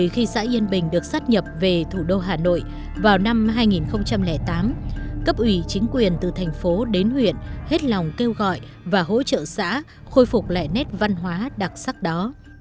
khi xã yên bình được sát nhập về thủ đô hà nội vào năm hai nghìn tám cấp ủy chính quyền từ thành phố đến huyện hết lòng kêu gọi và hỗ trợ xã khôi phục lại nét văn hóa đặc sắc đó